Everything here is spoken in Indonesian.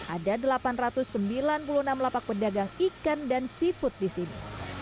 ada delapan ratus sembilan puluh enam lapak pedagang ikan dan seafood di sini